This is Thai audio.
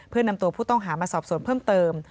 เพื่อนำตัวผู้ต้องหามาสอบสวนเพิ่มเติม